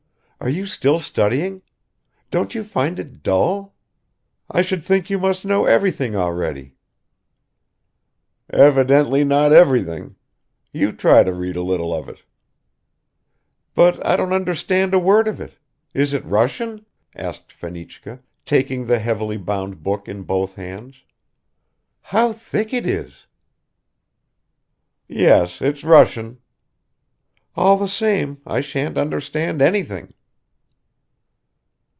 "Are you still studying? Don't you find it dull? I should think you must know everything already." "Evidently not everything. You try to read a little of it." "But I don't understand a word of it. Is it Russian?" asked Fenichka, taking the heavily bound book in both hands. "How thick it is!" "Yes, it's Russian." "All the same I shan't understand anything."